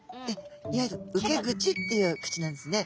いわゆる受け口っていう口なんですね。